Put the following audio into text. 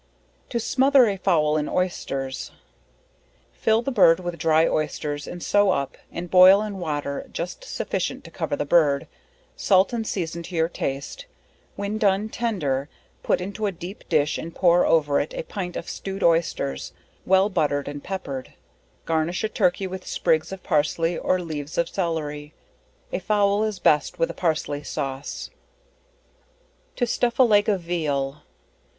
To smother a Fowl in Oysters. Fill the bird with dry Oysters, and sew up and boil in water just sufficient to cover the bird, salt and season to your taste when done tender, put into a deep dish and pour over it a pint of stewed oysters, well buttered and peppered, garnish a turkey with sprigs of parsley or leaves of cellery: a fowl is best with a parsley sauce. _To stuff a Leg of Veal.